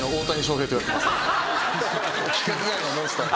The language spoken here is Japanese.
規格外のモンスター。